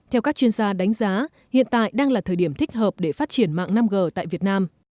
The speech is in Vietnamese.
theo các chuyên gia đánh giá hiện tại đang là thời điểm thích hợp để phát triển mạng năm g tại việt nam